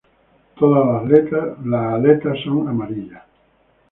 Todas las aletas son amarillas.